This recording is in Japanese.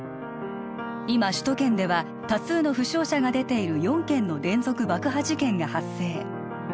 今首都圏では多数の負傷者が出ている４件の連続爆破事件が発生